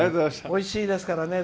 おいしいですからね。